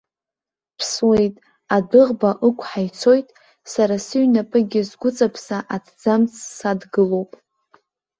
Ԥсуеит, адәыӷба ықәҳа ицоит, сара сыҩнапыкгьы сгәыҵаԥса аҭӡамц садгылоуп.